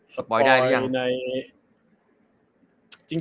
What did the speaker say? สปอยด์ได้รึยัง